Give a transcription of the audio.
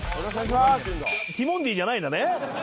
ティモンディじゃないんだね。